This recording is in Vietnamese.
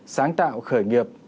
sáng tạo khởi nghiệp